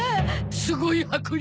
すごい迫力。